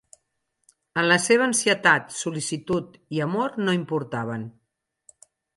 En la seva ansietat, sol·licitud i amor no importaven.